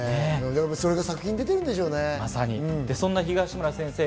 それが作品に出ているんですよね。